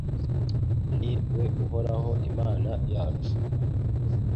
Ni we Uhoraho Imana yacu